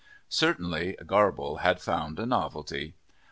Certainly Garble had found a novelty.